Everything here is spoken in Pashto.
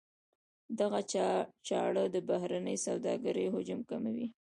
دغه چاره د بهرنۍ سوداګرۍ حجم کموي.